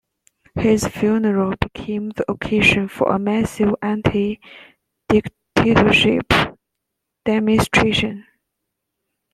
His funeral became the occasion for a massive anti-dictatorship demonstration.